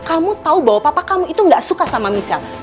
kamu tahu bahwa papa kamu itu gak suka sama michelle